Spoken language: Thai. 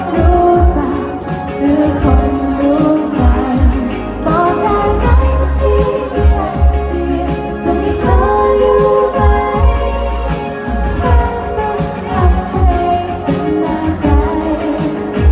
เวลาเธอต้องมาก็เธอต้องมามากเพราะเธอมีความสามารถสนุกเวลาอย่างจริงจริง